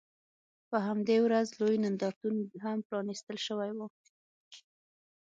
په همدې ورځ لوی نندارتون هم پرانیستل شوی و.